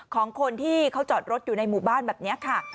ของคนที่เขาจอดรถอยู่ในหมู่บ้านแบบนี้ค่ะ